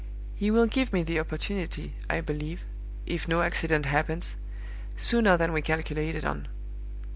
He will give me the opportunity, I believe, if no accident happens, sooner than we calculated on.